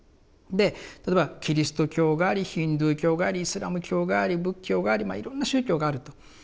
で例えばキリスト教がありヒンズー教がありイスラム教があり仏教がありまあいろんな宗教があると。